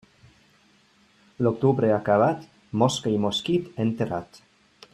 L'octubre acabat, mosca i mosquit enterrat.